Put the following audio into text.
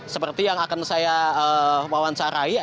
seperti yang akan saya wawancarai